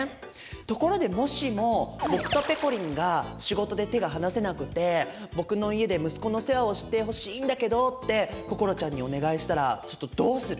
ところでもしも僕とぺこりんが仕事で手が離せなくて僕の家で「息子の世話をしてほしいんだけど」って心ちゃんにお願いしたらちょっとどうする？